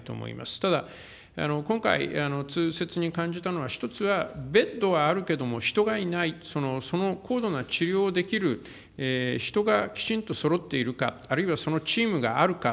ただ、今回、痛切に感じたのは、一つは、ベッドはあるけれども、人がいない、その高度な治療をできる人がきちんとそろっているか、あるいはそのチームがあるか。